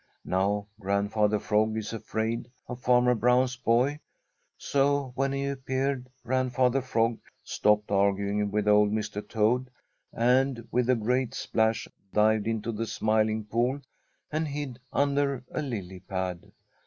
Now Grandfather Frog is afraid of Farmer Brown's boy, so when he appeared, Grandfather Frog stopped arguing with old Mr. Toad and with a great splash dived into the Smiling Pool and hid under a lily pad.